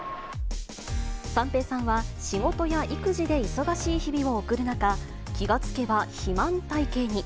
三平さんは、仕事や育児で忙しい日々を送る中、気がつけば肥満体形に。